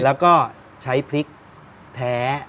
แล้วก็ใช้พริกแท้